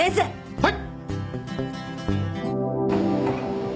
はい！